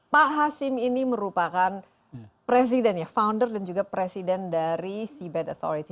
pak hashim ini merupakan presiden ya founder dan juga presiden dari seabed authority